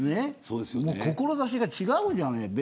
志が違うじゃない。